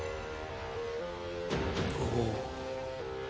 おお。